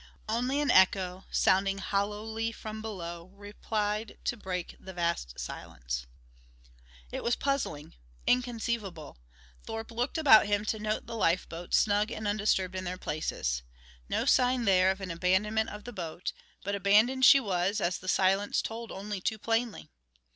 Only an echo, sounding hollowly from below, replied to break the vast silence. It was puzzling inconceivable. Thorpe looked about him to note the lifeboats snug and undisturbed in their places. No sign there of an abandonment of the boat, but abandoned she was, as the silence told only too plainly.